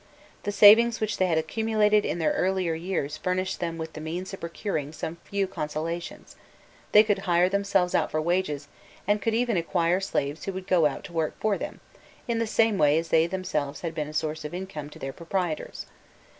The savings which they had accumulated in their earlier years furnished them with the means of procuring some few consolations: they could hire themselves out for wages, and could even acquire slaves who would go out to work for them, in the same way as they themselves had been a source of income to their proprietors.